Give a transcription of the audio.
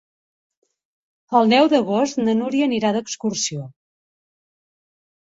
El deu d'agost na Núria anirà d'excursió.